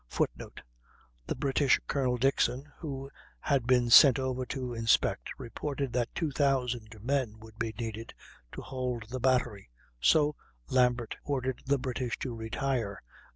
[Footnote: The British Col. Dickson, who had been sent over to inspect, reported that 2,000 men would be needed to hold the battery; so Lambert ordered the British to retire.